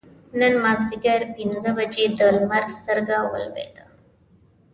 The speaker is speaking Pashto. نن مازدیګر پینځه بجې د لمر سترګه ولوېده.